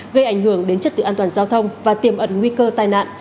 gây ảnh hưởng đến chất tự an toàn giao thông và tiềm ẩn nguy cơ tai nạn